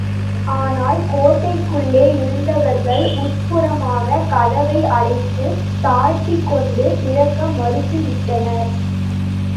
ஆனால், கோட்டைக்குள்ளே இருந்தவர்கள் உட்புறமாகக் கதவை அடைத்துத் தாழிட்டுக்கொண்டு திறக்க மறுத்துவிட்டனர்.